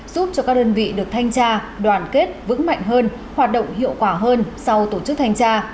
giúp cho các đơn vị được thanh tra đoàn kết vững mạnh hơn hoạt động hiệu quả hơn sau tổ chức thanh tra